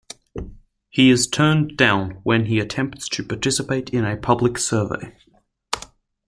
He is turned down when he attempts to participate in a public survey.